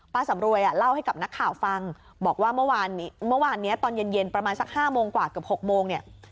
สำรวยเล่าให้กับนักข่าวฟังบอกว่าเมื่อวานนี้ตอนเย็นประมาณสัก๕โมงกว่าเกือบ๖โมงเนี่ย